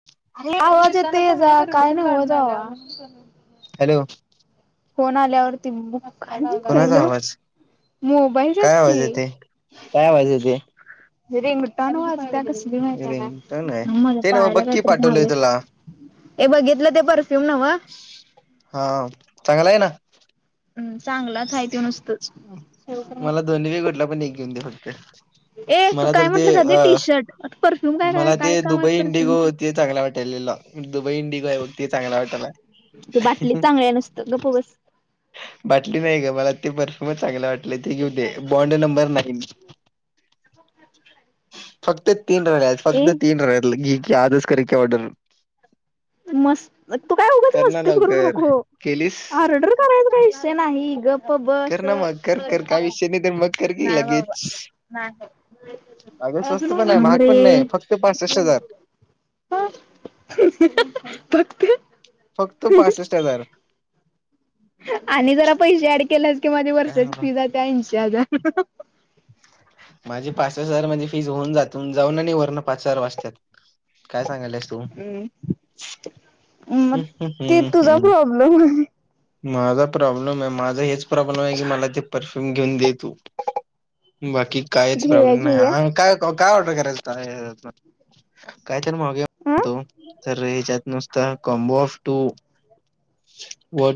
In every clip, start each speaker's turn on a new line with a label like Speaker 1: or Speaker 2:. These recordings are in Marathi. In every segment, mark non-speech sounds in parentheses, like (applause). Speaker 1: (inaudible)
Speaker 2: आवाज येतोय येजा काय न्हवच बाबा.
Speaker 1: हॅलो.
Speaker 2: फोन आल्यावरती बुक
Speaker 1: कोणाचा
Speaker 2: हॅलो
Speaker 1: आवाज
Speaker 2: मोबाईलच्याच
Speaker 1: काय
Speaker 2: की.
Speaker 1: आवाज येते? काय आवाज येतोय?
Speaker 2: रिंगटोन वाजतीया कसली माहिती हाय
Speaker 1: रिंगटोन आहे
Speaker 2: काय माझ्या
Speaker 1: ते नव्ह
Speaker 2: पायाला
Speaker 1: बघ की
Speaker 2: काहीतरी
Speaker 1: पाठवलंय
Speaker 2: झालंय.
Speaker 1: तुला
Speaker 2: हे बघितलं ते परफ्यूम नवं?
Speaker 1: हा चांगला आहे ना?
Speaker 2: चांगलाच हाय त्यो नुसतं.
Speaker 1: मला दोन्ही पैकी कुठला पण एक घेऊन दे फक्त.
Speaker 2: ए तू
Speaker 1: मला तर
Speaker 2: काय
Speaker 1: ते
Speaker 2: म्हटलं आधी
Speaker 1: अ
Speaker 2: टी शर्ट परफ्यूम काय काय
Speaker 1: मला ते
Speaker 2: काय काम आहे
Speaker 1: दुबई
Speaker 2: परफ्यूम
Speaker 1: इंडिगो ते चांगल्या वाटलेला, दुबई इंडिगो हाय ब ते चांगल्या वाटालाय.
Speaker 2: ती बाटली चांगल्या नसतं गप् बस.
Speaker 1: बाटली नाही ग मला ते परफ्यूमच चांगल वाटलं ते घेऊ दे, बॉन्ड नंबर नाईन.
Speaker 2: (inaudible)
Speaker 1: फक्त तीन राहिल्यात,
Speaker 2: ए
Speaker 1: फक्त तीन राहिल्यात, घे की आजच कर की ऑर्डर.
Speaker 2: मस्त तू काय उगाच
Speaker 1: कर ना
Speaker 2: मस्ती करू
Speaker 1: लवकर
Speaker 2: नको
Speaker 1: केलीस?
Speaker 2: ऑर्डर करायचा काय विषय नाही गप पब आस
Speaker 1: कर ना मग कर कर काय विषय नाही तर मग कर की
Speaker 2: नाही
Speaker 1: लगेच
Speaker 2: बाबा.
Speaker 1: अगं स्वस्त पण आहे
Speaker 2: थांब
Speaker 1: महाग पण
Speaker 2: रे.
Speaker 1: नाही फक्त पासष्ट हजार
Speaker 2: फक्त
Speaker 1: फक्त पासश्ठ हजार.
Speaker 2: आणि जरा पैसे ऍड केलेस की माझ
Speaker 1: काय
Speaker 2: वर्षाची
Speaker 1: बाबा
Speaker 2: फी जातीय ऐंशी हजार.
Speaker 1: माझी पासश्ठ हजार म्हणजे फीज होऊन जातुन जाऊन आणि पाच चार वाजत्यात. काय सांगायलीयास तु.
Speaker 2: म
Speaker 1: हम्म,
Speaker 2: ती
Speaker 1: हम्म,
Speaker 2: तुझा
Speaker 1: हम्म.
Speaker 2: प्रॉब्लेम हाय.
Speaker 1: माझा प्रॉब्लेम ये माझा हेच प्रॉब्लेम आहे की मला ते परफ्यूम घेऊन दे तू. बाकी कायच
Speaker 2: घेऊया
Speaker 1: प्रॉब्लेम
Speaker 2: घेऊया
Speaker 1: नाही काय ऑर्डर करायच (unintelligible) काय तर मागया
Speaker 2: हं.
Speaker 1: म्हणतो तर ह्याच्यात नुसतं कॉम्बो ऑफ टू व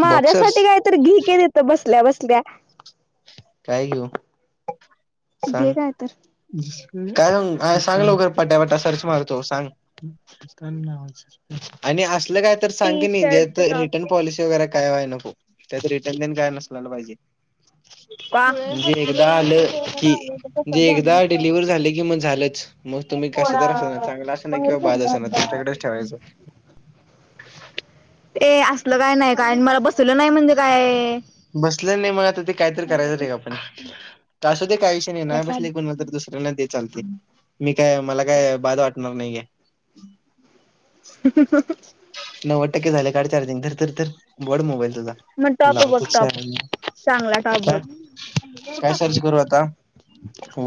Speaker 2: माझ्यासाठी काय तर घी की तिथं बसल्या बसल्या.
Speaker 1: काय घेऊ
Speaker 2: घे
Speaker 1: सांग?
Speaker 2: काय तर.
Speaker 1: काय सांगू सांग लवकर पटापटा सर्च मरतो सांग. (unintelligible) आणि असलं काय तर सांग
Speaker 2: टी
Speaker 1: कणी ज्यात
Speaker 2: शर्ट
Speaker 1: रिटर्न
Speaker 2: टॉप
Speaker 1: पॉलिसी वगैरे काय व्हाय नको. त्याच रिटर्न तेण काय नसलेल पाहिजे. म्हणजे एगदा आलं की म्हणजे एकदा डिलिव्हर झालं कि मग झालंच. मग तुम्ही कसं तर कसंतर असना चांगलं असाना किंवा बाद असना तुमच्याकडेच ठेवायचं.
Speaker 2: ऐ असलं काय नाही काय आणि मला बसलं नाही म्हणजे काय
Speaker 1: बसलं नाही म आता ते कायतरी करायचं रे आपण. कासूदे काय विषय नाही ना
Speaker 2: प्रसाद.
Speaker 1: बसली कोणाला तर दुस ऱ्यानां दे चालतंय मी काय मला काय बाद वाटणार नाही घे.
Speaker 2: (unintelligible)
Speaker 1: नव्वद टक्के झालंय काढ चार्जिंग धर धर धर वड मोबाईल तुझा.
Speaker 2: ममे टॉप बघ
Speaker 1: लावतो
Speaker 2: टॉप
Speaker 1: चार्जिंग
Speaker 2: चांगला टॉप बघ,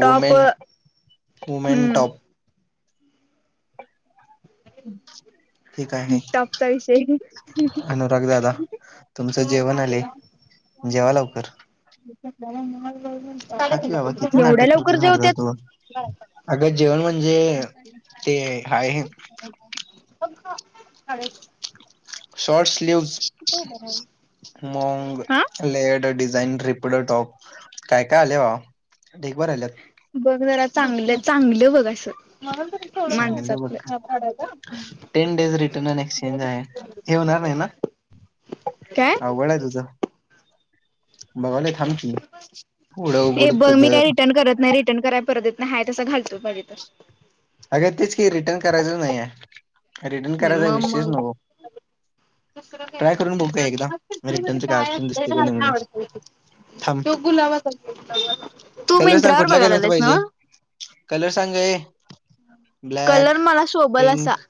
Speaker 2: टॉप
Speaker 1: हूमेन
Speaker 2: हम्म.
Speaker 1: टॉप. (unintelligible) हे काय आहे?
Speaker 2: टॉप चा विषय,
Speaker 1: अनुराग दादा तुमचं जेवण आले, जेवा लवकर, खा की बाबा किती
Speaker 2: एवढ्या
Speaker 1: नाटक
Speaker 2: लवकर
Speaker 1: करतोस मर्दा
Speaker 2: जेवत्यात?
Speaker 1: तू अगं जेवण म्हणजे ते आहे
Speaker 2: (unintelligible)
Speaker 1: शॉर्ट स्लीव्ह.
Speaker 2: कुठं उभा राहू?
Speaker 1: मॉंग लेअरड डिझाईन रिपड टॉप. काय काय आलंय बावा धीगभर आल्यात.
Speaker 2: बघ जरा चांगलं, चांगलं बघ असं.
Speaker 1: चांगलं बघ
Speaker 2: माणसातलं.
Speaker 1: Ten days return and exchange आहे हे होणार नाही ना?
Speaker 2: काय?
Speaker 1: अवघड आहे तुझं बघालोय थांब की. पुढं
Speaker 2: ऐ
Speaker 1: उघड
Speaker 2: बघ मी काय
Speaker 1: तुझं
Speaker 2: रिटर्न करत नाही रिटर्न कराय परत येत नाही आहे तसा घालतो बघ पाहिजे तर.
Speaker 1: अगं तेच की रिटर्न करायचंच नाही आहे रिटर्न करायचा
Speaker 2: मग
Speaker 1: विषयच
Speaker 2: मग
Speaker 1: नको. ट्राय करून बघू का एकदा रिटर्नचं काय ऑप्शन दिसते का नाही म्हणून
Speaker 2: (unintelligible)
Speaker 1: थांब
Speaker 2: तू
Speaker 1: कलर सांग
Speaker 2: मिंत्रावर
Speaker 1: कुठला
Speaker 2: बघायला लागला
Speaker 1: कलर
Speaker 2: आहेस
Speaker 1: पाहिजे
Speaker 2: नव्हं?
Speaker 1: कलर सांग गं ऐ ब्लॅक,
Speaker 2: कलर मला शोभल असा.
Speaker 1: Pink.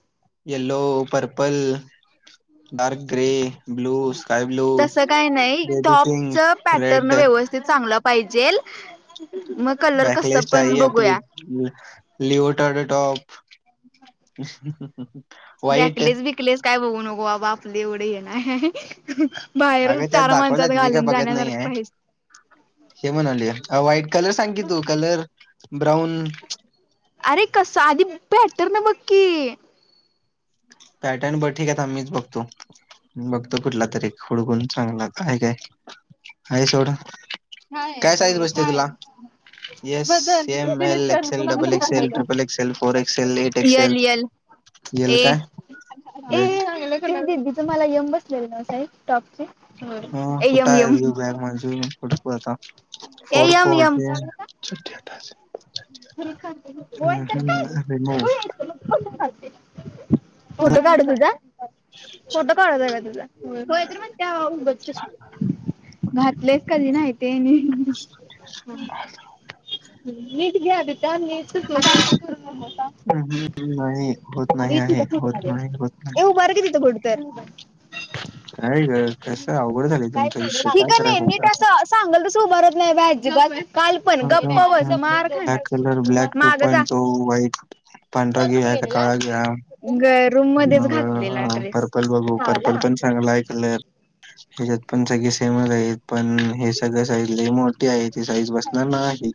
Speaker 1: Yellow, purple, dark grey. Blue sky blue
Speaker 2: तसं काही नाही
Speaker 1: बेबी
Speaker 2: टॉप च
Speaker 1: पिंक
Speaker 2: पॅटर्न
Speaker 1: रेड
Speaker 2: व्यवस्थि ते चांगला पाहिजेल मग कलर कसं पण बघूया.
Speaker 1: लिओटाड टॉप ह्म
Speaker 2: बॅकलेस बिकलेस काय बघू नको बाबा आपली एवढी हे नाही ह्
Speaker 1: अगं त्यात दाखवल्यात मी का बघत नाही आहं.
Speaker 2: पाहिजे
Speaker 1: हे म्हणालोय व्हाईट कलर सांग की तू कलर ब्राऊन
Speaker 2: अरे कसं अरे आधी पॅटर्न बघ की?
Speaker 1: पॅटर्न बरं ठिक आहं थांब मीच बघतो. बघतो कुठला तरी एक खुडकून चांगला आहं काय आहे सोड.
Speaker 2: काय
Speaker 1: साईज
Speaker 2: ते
Speaker 1: बसते
Speaker 2: काय
Speaker 1: तुला
Speaker 2: आहे तू.
Speaker 1: Yes S M L X L double X L triple X L four X L eight X L.
Speaker 2: L
Speaker 1: L काय?
Speaker 2: ऐ ऐ कणी दीदीची मला एम बसलेलं ना साईज टॉप ची?
Speaker 1: हा कुठं आहं गं बॅग माझी (inaudible) थांब.
Speaker 2: A
Speaker 1: four
Speaker 2: M M
Speaker 1: fort. (inaudible) Remove
Speaker 2: (unintelligible) photo काढू तुझा? फोटो काढायचाय का तुझा होय (unintelligible) त्या म्हणती उगच तशी. घातलेत कधी नाही ते नी. हा नीट घे आदि ते नीट (unintelligible)
Speaker 1: हम हम नाही होत नाही आहे, होत नाही, होत
Speaker 2: ए
Speaker 1: नाही.
Speaker 2: उभार की तिथं कुठं तर
Speaker 1: काय ग कस अवघड झाले
Speaker 2: काय
Speaker 1: तुमच्या
Speaker 2: एवढं
Speaker 1: विषयी
Speaker 2: ही
Speaker 1: काय
Speaker 2: का
Speaker 1: करायच
Speaker 2: नाही नीट
Speaker 1: होत?
Speaker 2: असं सांगल तस उभारत नाही बाई अजीबात.
Speaker 1: ब्लॅक कलर,
Speaker 2: खाणार
Speaker 1: ब्लॅक टू
Speaker 2: माग जा
Speaker 1: पॉइंट तो व्हाईट पांढरा घि नाहीतर काळा घ्या
Speaker 2: रूम मध्येच घातलेला
Speaker 1: मग पर
Speaker 2: ड्रेस
Speaker 1: पल बघू पर्पल पण चांगला आहे कलर. ह्याच्यात पण सगळी सेमच आहेत पण हे सगळं साईज लय मोठीे आहे ती साईज बस नाही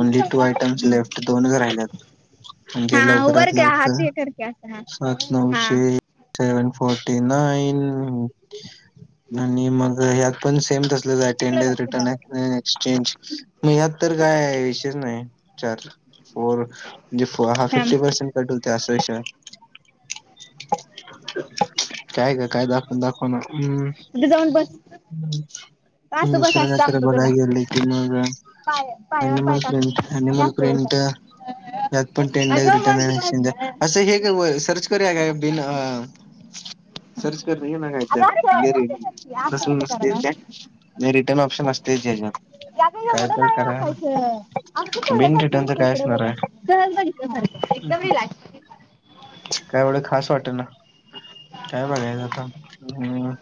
Speaker 1: ओनली टू आयटम्स लेफ्ट दोनच राहिल्यात. म्हणजे लवकरात लवकर
Speaker 2: हां.
Speaker 1: एक सेव्हन फोर्टी -नाईन.. आणि मग ह्यात पण सेम तसलंच (unintelligible) रिटर्न एक्सचेंज मग यात तर काय विषयच नाही चार फोर म्हणजे फा हा
Speaker 2: थांब
Speaker 1: फिफ्टी पर्सेंट टटू लते असा विषय आहे काय कर काय दाखव दाखवणार? हम्म
Speaker 2: तिथे जाऊन बस असं बस
Speaker 1: दुसर काय तर बघाय गेल की मग
Speaker 2: काय य?
Speaker 1: (unintelligible) प्रिंट त्यात पण टेंडर
Speaker 2: अगं
Speaker 1: रिटर्न आणि
Speaker 2: बस बस गं
Speaker 1: एक्सचेंजर असं हे का सर्च करूया काय बिन अं सर्च करण (unintelligible) काय रिटर्न ऑप्शन असतय की याज्यात.
Speaker 2: याग एवढं नाही वाकायच असं सगळंच
Speaker 1: बिन रिटर्नच
Speaker 2: नसत
Speaker 1: काय
Speaker 2: इकड
Speaker 1: असणार
Speaker 2: बघा
Speaker 1: आहे
Speaker 2: सहज बघि तुझ्यासारखी एकदम रिलॅक्स.
Speaker 1: काय एवढ खास वाटना. काय बघायच आता? हम्म.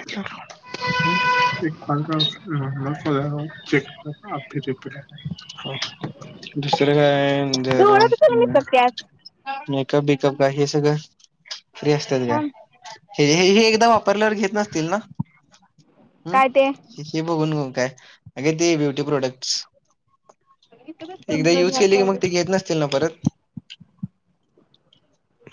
Speaker 1: (unintelligible) (unintelligible) दुसरं काय जरा
Speaker 2: डोळं कशाला
Speaker 1: हम्म.
Speaker 2: मिचकते आज
Speaker 1: मेकअप बेकीअप काय हे सगळं फ्री असतेत का?
Speaker 2: थांब
Speaker 1: हे हे हे एकदा वापरल्यावर घेत नसतील ना?
Speaker 2: काय ते
Speaker 1: हम्म हे बघून बघून काय अग ते ब्युटी प्रोडक्ट्स?
Speaker 2: इथं
Speaker 1: एकदा युज केली की मग ते
Speaker 2: बस
Speaker 1: घेत नसतील ना परत?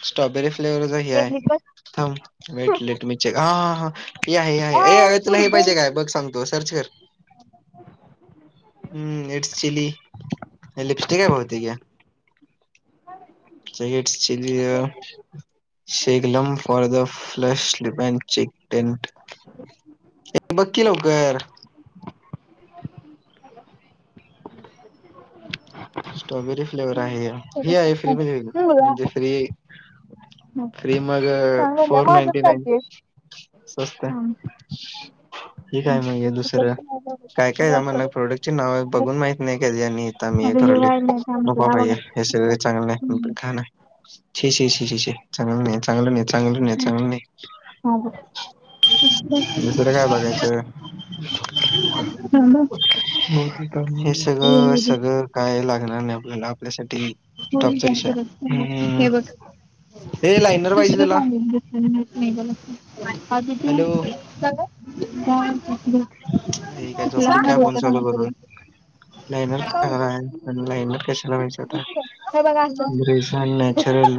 Speaker 1: स्ट्रॉबेरी फ्लेवर च हे
Speaker 2: ए
Speaker 1: आहे.
Speaker 2: बस
Speaker 1: थांब मेटलेट मी चेक हा ह ए आहे ए
Speaker 2: हाय
Speaker 1: आहे तुला हे
Speaker 2: पोरगी
Speaker 1: पाहिजे काय बघ
Speaker 2: आहे
Speaker 1: सांग? तु सर्च कर. हम्म इट्स चिली लिपस्टिक आहे बहुतेक ह्या. It's chilli uh Sheglam for the फ्लशिप a check tent. ये बक्की लवकर. स्ट्रॉबेरी फ्लेवर आहे हे आहे फ्री म्हणजे म्हणजे फ्री फ्री मग फोर नाईनटी नाईन स्वस्तय.
Speaker 2: थांब
Speaker 1: हे काय मग हे दुसरं काय काय आमाला प्रोडक्ट चे नाव बघून माहित नाही कधी आणि इथ म
Speaker 2: आता हे व्हायला नाहीत आमचं
Speaker 1: पा
Speaker 2: हा बघा.
Speaker 1: चांगलं का (inaudible) शी शी शी, चांगल नाही चांगलं नाही चांगलं नाही चांगलं नाही
Speaker 2: ह ब
Speaker 1: दुसरं काय बघायचं
Speaker 2: (inaudible)
Speaker 1: हे
Speaker 2: हे
Speaker 1: सगळं
Speaker 2: होऊ दे.
Speaker 1: सगळ काय लागणार नाही आपल्याला आपल्यासाठी
Speaker 2: (inaudible)
Speaker 1: टॉपचा विषय हम्म
Speaker 2: हे बघ
Speaker 1: हे लायनर पाहिजे तुला
Speaker 2: नाही गला द (inaudible) आधी तू,
Speaker 1: हॅलो
Speaker 2: का गं
Speaker 1: अरे ही काय झोपली काय फोन चालू
Speaker 2: तुला.
Speaker 1: करून, लायनर आहे. लाइनर कशाला पायजे आता, डिझाईन नॅचरल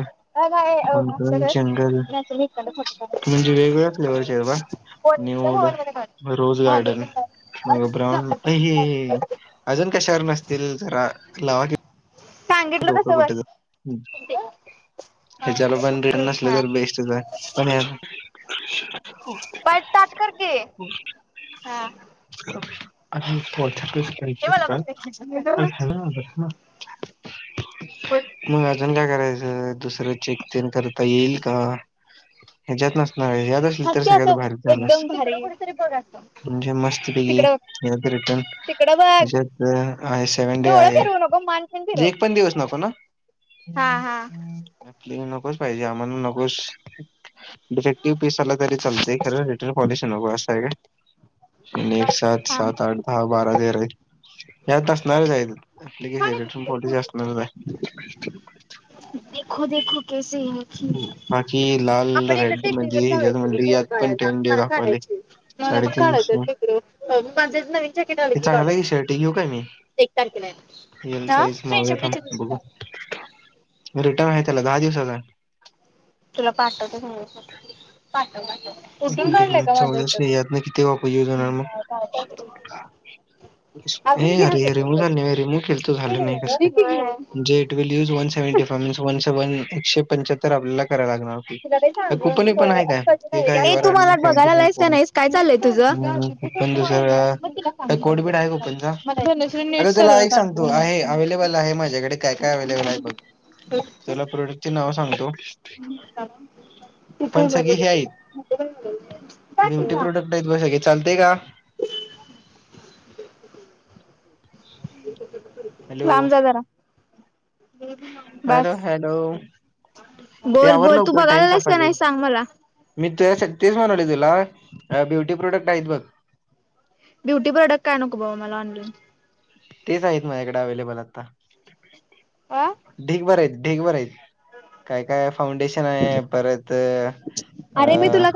Speaker 1: मंगल जंगल, म्हणजे वेगळ्या वेगळ्या फ्लेवरचे आहे बाळ. न्यूड, रोज गार्डन, ब्राऊन, हे अजून कशावर नसतील, जरा लावा की
Speaker 2: सांगितलं
Speaker 1: डोकं
Speaker 2: तसं बस
Speaker 1: कुठंतर, हम्म. ह्याच्याला पण रिण नसलं
Speaker 2: हा
Speaker 1: तर बेस्टच आहे, पण हो
Speaker 2: पाय ताट कर की हा
Speaker 1: (inaudible) अ
Speaker 2: हे मला पण दे.
Speaker 1: ना (inaudible) मग अजून काय करायचं, दुसरं चेक तेन करता येईल का? ह्याच्यात नसणार, यात असली तर
Speaker 2: हसते
Speaker 1: सगळ्यात
Speaker 2: असं
Speaker 1: भारी झालं
Speaker 2: एकदम
Speaker 1: असतं,
Speaker 2: भारी कुठेतरी बघ असं
Speaker 1: म्हणजे मस्ती पैकी
Speaker 2: तिकडं बघ
Speaker 1: यात रिटर्न,
Speaker 2: तिकडं बघ
Speaker 1: याच्यात आहे सेव्हन डे आहे.
Speaker 2: भगन (inaudible)
Speaker 1: म्हणजे एक पण दिवस नव्हता ना.
Speaker 2: हा हा
Speaker 1: आपली नकोच पाहिजे आम्हाना नकोच. डिफेक्टिव्ह पीस आला तरी चालतंय, खरं रिटर्न पॉलिसी नको, असं आहे का? एक सात
Speaker 2: थांब.
Speaker 1: सात आठ दहा बारा तेरा हायत, ह्यात असणारच हायत. रिटर्न पॉलिसी असणारच आय.
Speaker 2: देखो देखो कैसे,
Speaker 1: बाकी लाल
Speaker 2: आपण एकदा
Speaker 1: रेड मध्ये
Speaker 2: टेकडीवर जाऊया
Speaker 1: ह्याच्यात
Speaker 2: की गं
Speaker 1: म्हणली यात
Speaker 2: फोट
Speaker 1: पण
Speaker 2: काढायला,
Speaker 1: टेन डे
Speaker 2: मला
Speaker 1: दाखवाले
Speaker 2: काढायची हाईत. मला पण काढयचय
Speaker 1: साडेतीनशे
Speaker 2: अं बाजारात नवीन जॅकेट आलं
Speaker 1: हे
Speaker 2: की
Speaker 1: चांगलं
Speaker 2: काढुया.
Speaker 1: आहे शर्ट घेऊ काय मी
Speaker 2: एक तारखेला हाय,
Speaker 1: एल
Speaker 2: हां,
Speaker 1: साईज मागूया
Speaker 2: फ्रेंडशिप डे
Speaker 1: थांब
Speaker 2: च्या
Speaker 1: बघू
Speaker 2: दिवशी
Speaker 1: रिटर्न हाय त्याला दहा दिवसाचं हाय.
Speaker 2: तुला पाठवते दोन दिवसात, पाठव पाठव.
Speaker 1: एक मिंट एक मिनिट च यातना किती वापस येऊन जाणार मग. ए अरे रिमूव झालं नाही वयरे, केलतो झालं नाही कसं काय, जे यज वन से वन सेवन एकशे पंच्याहत्तर आपल्याला कराय लागणार. काय कुपन बीपन हाय काय.?
Speaker 2: ए
Speaker 1: र
Speaker 2: तू
Speaker 1: अनिंग
Speaker 2: मला
Speaker 1: सेव्हटी
Speaker 2: बघायला
Speaker 1: सेवन
Speaker 2: आलायस का
Speaker 1: पॉईंट्
Speaker 2: नाहीस काय चाललंय तुझं?
Speaker 1: कुठून दुसर (inaudible) काय कोडबीड हाय कुपनचा,
Speaker 2: धनश्री
Speaker 1: अग
Speaker 2: नीट
Speaker 1: तुला
Speaker 2: सरळ
Speaker 1: ऐक
Speaker 2: काढ
Speaker 1: सांगतो
Speaker 2: गं.
Speaker 1: आहे अवेलेबल आहे माझ्याकडे काय काय अव्लेबल आहे बघ, तुला प्रोडक्ट चे नावं सांगतो. पण
Speaker 2: इथं
Speaker 1: सगळी हे आहेत
Speaker 2: पण (unintelligible)
Speaker 1: ब्युटी प्रोडक्ट आहेत बघ सगळे चालतय का?
Speaker 2: (inaudible)
Speaker 1: हॅलो
Speaker 2: लांब जा जरा.
Speaker 1: हॅलो
Speaker 2: बास.
Speaker 1: हॅलो, ऐ
Speaker 2: बोल
Speaker 1: आवर
Speaker 2: बोल तू
Speaker 1: लवकर
Speaker 2: बघायला
Speaker 1: टाईम
Speaker 2: आलायस का
Speaker 1: सपालय.
Speaker 2: नाही सांग मला
Speaker 1: मी तुझ्यासाठी तेच म्हणानालोय तुला, अ ब्युटी प्रोडक्ट हायत बघ.
Speaker 2: ब्युटी प्रॉडक्ट् काय नको बाबा मला ऑलाईन.
Speaker 1: तेच आहेत माझ्याकडे अव्हेलेबल आता.
Speaker 2: आ.
Speaker 1: ढिगभर आहेत, ढिगभर आहेत. काय काय फाउंडेशन आहे, परत अं..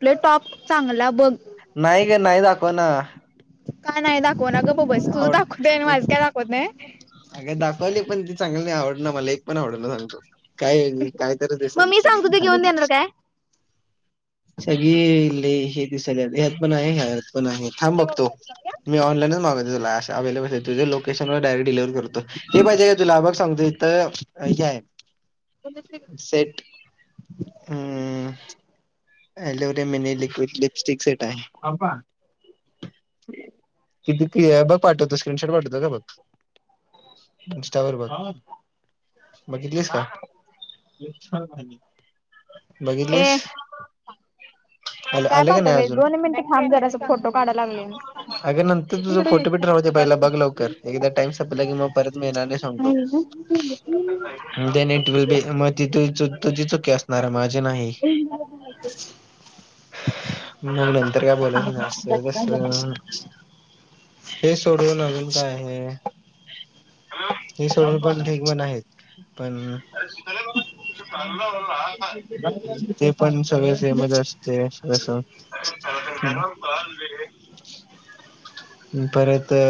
Speaker 2: आपले टॉप चांगला बघं.
Speaker 1: नाही गं नाही दाखवना.
Speaker 2: का नाही दाखवना गप्प बसं, तुझं दाखवतेय आणि माझं काय दाखवत नाहीये.
Speaker 1: अंग दाखवलीत पण ते चांगली नाही, आवडना मला एक पण आवडना झालंत. काय काय तर
Speaker 2: मग मी
Speaker 1: दिसालीत
Speaker 2: सांगतो ते घेऊन
Speaker 1: सगळी
Speaker 2: देणार
Speaker 1: (unintelligible)
Speaker 2: काय?
Speaker 1: सगळी लै हे दिसाल्यात ह्यात पण आहे, ह्यात पण आहे. थांब बघतो. मी ऑनलाईनच मागवतो तुला अशा अव्हेलेबल आहे, तुझ्या लोकेशन वरच डायरेक्ट डिलिव्हर कर रतो हे पाहिजे काय तुला बघ हे, सांगतो इथं हे हाय. सेट. हम्म, (unintelligible) मिनी लिक्विड लिपस्टिक सेट आहे. हे बघं पाठवतो, स्क्रीनशॉट पाठतो का बघं. इंस्टावर बघं, बघितलीस काय? बघितलीस.
Speaker 2: ए
Speaker 1: आलं
Speaker 2: काय
Speaker 1: आलं का नाही
Speaker 2: पाठवलंय,
Speaker 1: अजून?
Speaker 2: दोन मिनिटं थांब जरासं फोटो काढाय लागले मी.
Speaker 1: तुझा फोटो बिटो राहू दे पहिला, बघ लवकर एकदा टाईम संपला की परत मिळणार नाही सांगतो.
Speaker 2: (unintelligible)
Speaker 1: देन इटव्हील बी मग, ती तुझी चुकी असणारय माझी नाही.
Speaker 2: (unintelligible)
Speaker 1: मग नंतर काय बोलयच नाय असं तस. हे सोडून अजून काय आहे. हे सोडून पण ढिग (unintelligible) आहेत. पण, ते पण सगळं सेमच अस ते असं असं (unintelligible) परत, ते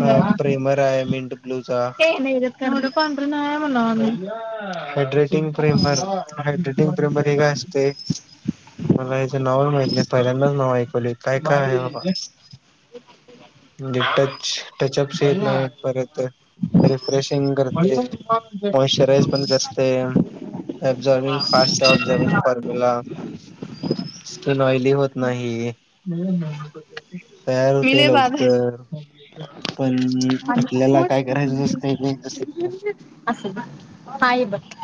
Speaker 1: हां.. प्रेमराय मिंट ब्लूचा.
Speaker 2: पांढरं नाही म्हणा आम्ही.
Speaker 1: हायड्रेटिंग फ्रेमरवर हायड्रेटिंग, फ्रेम मध्ये हे काय असते. मला याच नावच माहित नाही, पहिल्यांदाच नावं ऐकवली काय काय आहे आबा. डीटच टचप सेले परत. रिफ्रेशिंग करते, मॉइस्चराईज पण करते. ऑब्झर्विंग फास्ट ऑब्झर्विंग कर बोला, स्कीन ऑयली होत नाही. तयार
Speaker 2: मी
Speaker 1: होते.
Speaker 2: लय
Speaker 1: लव
Speaker 2: बाद आहे.
Speaker 1: खरं पण
Speaker 2: आणि
Speaker 1: आपल्या काय करायचं नसतंय. (unintelligible)
Speaker 2: असं का, हा हे बघ.